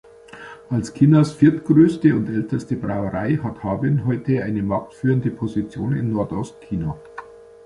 Als Chinas viertgrößte und älteste Brauerei hat Harbin heute eine marktführende Position in Nordost-China.